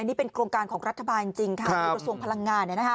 นี่เป็นโครงการของรัฐบาลจริงค่ะโดยกระทรวงพลังงาน